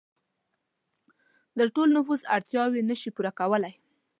د ټول نفوس اړتیاوې نشي پوره کولای.